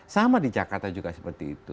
sama di jakarta juga seperti itu